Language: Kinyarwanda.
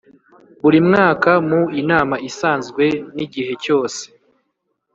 Buri mwaka mu inama isanzwe n’igihe cyose